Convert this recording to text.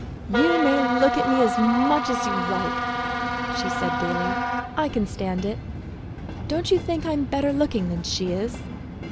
"You may look at me as much as you like," she said gayly. "I can stand it. Don't you think I am better looking than she is?"